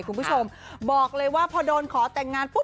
คุณผู้ชมบอกเลยว่าพอโดนขอแต่งงานปุ๊